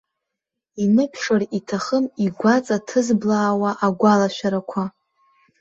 Иныԥшыр иҭахым игәаҵа ҭызблаауа агәалашәарақәа.